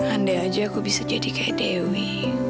andai aja aku bisa jadi kayak dewi